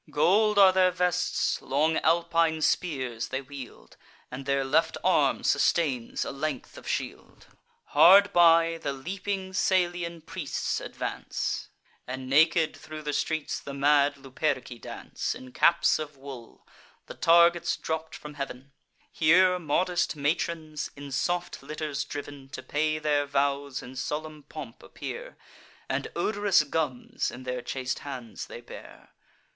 Gold are their vests; long Alpine spears they wield, And their left arm sustains a length of shield. Hard by, the leaping Salian priests advance; And naked thro' the streets the mad Luperci dance, In caps of wool; the targets dropp'd from heav'n. Here modest matrons, in soft litters driv'n, To pay their vows in solemn pomp appear, And odorous gums in their chaste hands they bear.